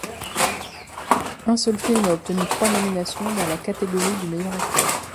Un seul film a obtenu trois nominations dans la catégorie du meilleur acteur.